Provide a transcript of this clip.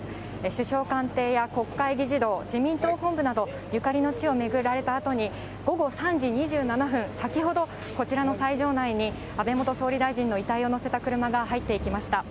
首相官邸や国会議事堂、自民党本部など、ゆかりの地を巡られたあとに、午後３時２７分、先ほど、こちらの斎場内に安倍元総理大臣の遺体を乗せた車が入っていきました。